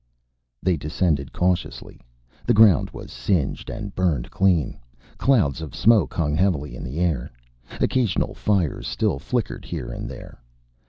They descended cautiously. The ground was singed and burned clean. Clouds of smoke hung heavily in the air. Occasional fires still flickered here and there.